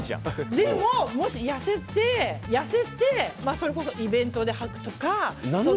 でも、もし痩せてそれこそイベントではくとか。